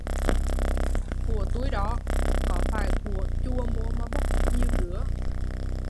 Của tui đó, có phải của chùa mô mà bốc nhiều rứa